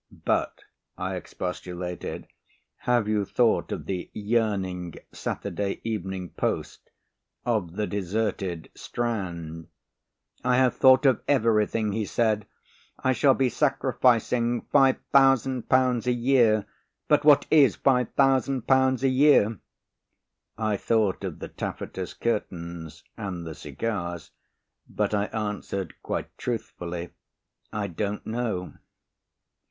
"But," I expostulated, "have you thought of the yearning Saturday Evening Post, of the deserted Strand?" "I have thought of everything," he said, "I shall be sacrificing 5,000 pounds a year, but what is 5,000 pounds a year?" I thought of the taffetas curtains and the cigars, but I answered quite truthfully. "I don't know."